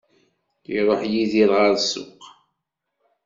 Iruḥ Yidir ɣer ssuq.